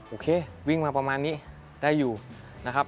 โอเควิ่งมาประมาณนี้ได้อยู่นะครับ